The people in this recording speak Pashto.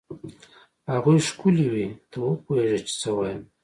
هغوی ښکلې وې؟ ته وپوهېږه چې څه وایم.